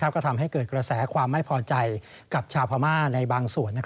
ก็ทำให้เกิดกระแสความไม่พอใจกับชาวพม่าในบางส่วน